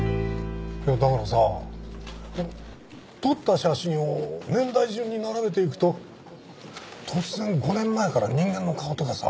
いやだからさ撮った写真を年代順に並べていくと突然５年前から人間の顔とかさ